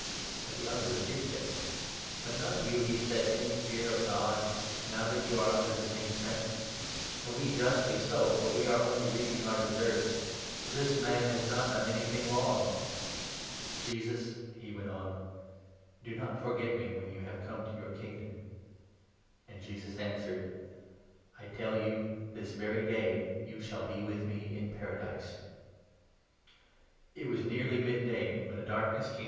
But the other rebuked him. 40 " Have not you," he said, "any fear of God, now that you are under the same sentence ? And we justly so, for we are 41 only reaping our deserts, but this man has not done anything wrong. Jesus," he went on, " do not forget me when you have 42 come to your Kingdom." And Jesus answered : 43 " I tell you, this very day you shall be with me in Paradise." The Death It was nearly mid day, when a darkness came 44 or Jesus.